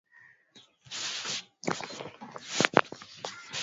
Waone madaktari wa mifugo kwa ushauri zaidi juu ya mifugo yako